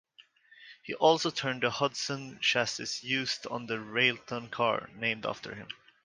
He also tuned the Hudson chassis used on the Railton car, named after him.